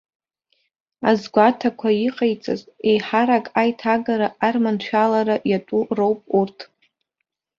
Азгәаҭақәа иҟаиҵаз, еиҳарак аиҭагара арманшәалара иатәу роуп урҭ.